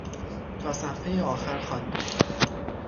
تا صفحهٔ آخر خواندیم.